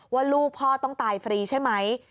ว่าลูกพ่อต้องตายฟรีใช่ไหม